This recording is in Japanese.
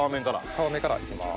皮目からいきます。